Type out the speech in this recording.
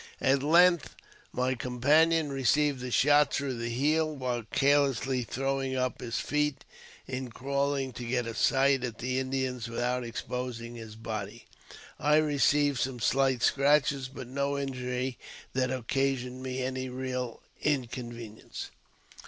At length my companioi received a shot through the heel, while carelessly throwing uj his feet in crawling to get a sight at the Indians without ex posing his body. I received some slight scratches, but n( injury that occasioned me any real inconvenience.